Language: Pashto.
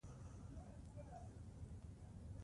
اوږده غرونه د افغان ماشومانو د لوبو موضوع ده.